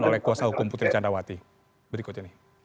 oleh kuasa hukum putri candrawati berikut ini